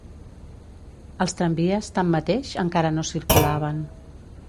Els tramvies, tanmateix, encara no circulaven